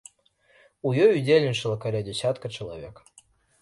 У ёй удзельнічала каля дзясятка чалавек.